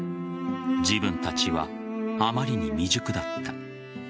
自分たちはあまりに未熟だった。